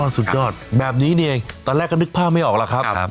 สุดยอดแบบนี้นี่เองตอนแรกก็นึกภาพไม่ออกแล้วครับ